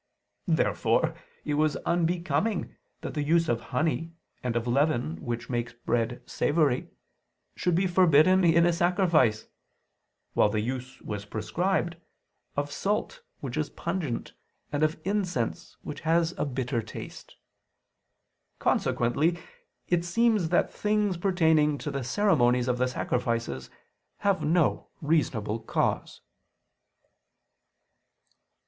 Therefore it was unbecoming that the use of honey, and of leaven which makes bread savory, should be forbidden in a sacrifice; while the use was prescribed, of salt which is pungent, and of incense which has a bitter taste. Consequently it seems that things pertaining to the ceremonies of the sacrifices have no reasonable cause.